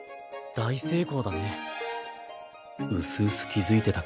大成功だね。